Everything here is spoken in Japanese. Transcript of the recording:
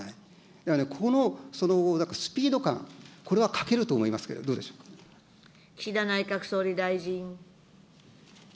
だからね、この、なんかスピード感、これは欠けると思いますけれども、どうでしょ岸田内閣総理大臣。